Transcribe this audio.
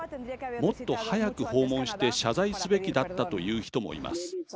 もっと早く訪問して謝罪すべきだったという人もいます。